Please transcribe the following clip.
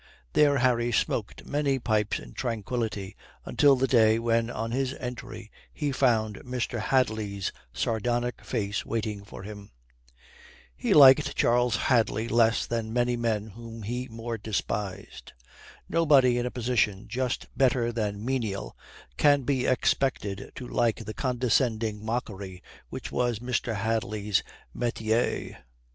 There Harry smoked many pipes in tranquillity until the day when on his entry he found Mr. Hadley's sardonic face waiting for him. He liked Charles Hadley less than many men whom he more despised. Nobody in a position just better than menial can be expected to like the condescending mockery which was Mr. Hadley's metier.